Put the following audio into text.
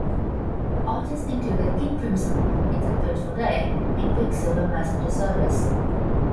Artists included King Crimson, It's a Beautiful Day, and Quicksilver Messenger Service.